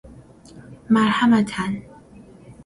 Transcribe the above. مرحمة ً